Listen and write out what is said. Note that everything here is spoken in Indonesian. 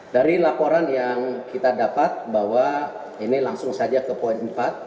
dari laporan yang kita dapat bahwa ini langsung saja ke poin empat